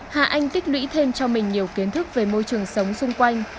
hà anh tích lũy thêm cho mình nhiều kiến thức về môi trường sống xung quanh